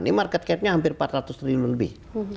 ini market capnya hampir empat ratus triliun lebih